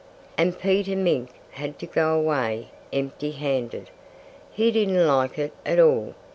And Peter Mink had to go away empty handed. He didn't like it at all.